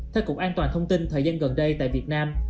theo cục an toàn thông tin thời gian gần đây tại việt nam